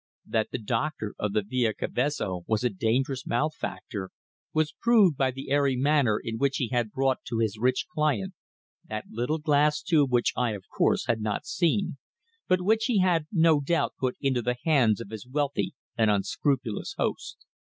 That the doctor of the Via Cavezzo was a dangerous malefactor was proved by the airy manner in which he had brought to his rich client that little glass tube which I, of course, had not seen, but which he had no doubt put into the hands of his wealthy and unscrupulous host.